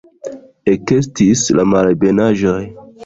Ekestis la malebenaĵoj.